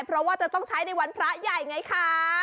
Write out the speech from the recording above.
เพราะว่าจะต้องใช้ในวันพระใหญ่ไงคะ